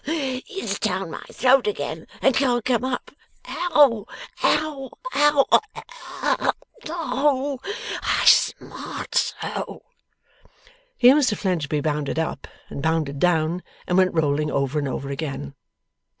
Ugh! It's down my throat again and can't come up. Ow! Ow! Ow! Ah h h h! Oh I smart so!' Here Mr Fledgeby bounded up, and bounded down, and went rolling over and over again.